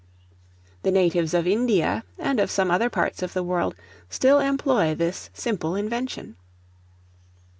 The natives of India, and of some other parts of the world, still employ this simple invention.